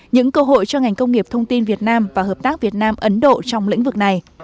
những cơ hội cho ngành công nghiệp thông tin việt nam và hợp tác việt nam ấn độ trong lĩnh vực này